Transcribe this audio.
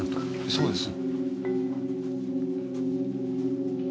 そうです。